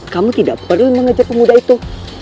kamu tidak perlu mengejar pemuda itu